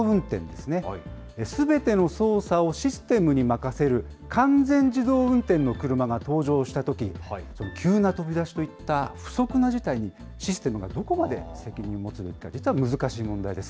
すべての操作をシステムに任せる完全自動運転の車が登場したとき、急な飛び出しといった不測の事態に、システムがどこまで責任を持つべきか、実は難しい問題です。